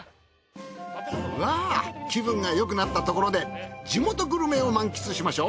うわぁ気分がよくなったところで地元グルメを満喫しましょう。